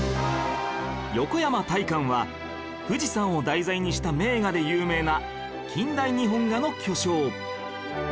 横山大観は富士山を題材にした名画で有名な近代日本画の巨匠